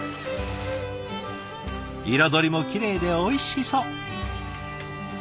彩りもきれいでおいしそう。